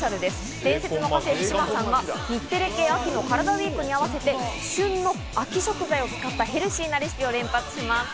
伝説の家政婦・志麻さんが日テレ系秋のカラダＷＥＥＫに合わせて、旬の秋食材を使ったヘルシーレシピを連発します。